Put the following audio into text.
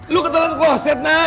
lu ke dalam kloset nak